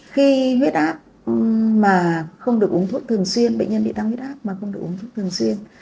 khi huyết áp mà không được uống thuốc thường xuyên bệnh nhân bị tăng huyết áp mà không được uống thuốc thường xuyên